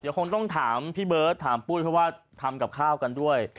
เดี๋ยวคงต้องถามพี่เบิศถามปุ้ยว่าทำกับข้าวกันด้วย